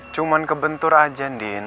cuman kebentur aja andien